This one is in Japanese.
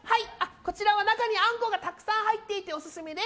こちらは中にあんこがたくさん入っていてオススメです！